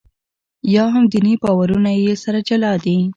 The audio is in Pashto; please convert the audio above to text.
یا هم دیني باورونه یې سره جلا دي.